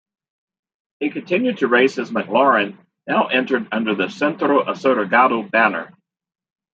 He continued to race his McLaren, now entered under the Centro Asegurado banner.